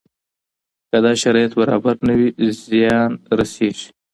که دا شرایط برابر نه وي زیان رسېږي.